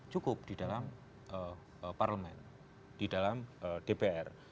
tidak cukup di dalam parlement di dalam dpr